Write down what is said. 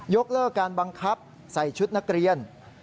กเลิกการบังคับใส่ชุดนักเรียน